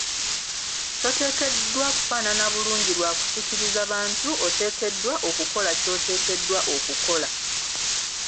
Toteekeddwa kufaanana bulungi lwa kusikiriza bantu oteekeddwa okukola ky’oteekeddwa okukola.